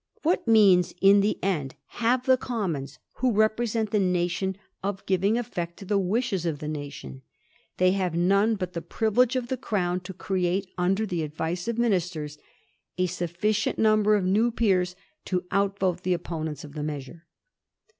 What means in the end have the Commons, who represent the nation, of giving effect to the wishes of the nation ? They have none but the privilege of the Crown to create, under the advice of ministers, a sufficient nmnber of new Peers to outvote the opponents of the measure.